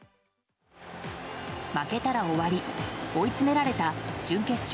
負けたら終わり、追い詰められた準決勝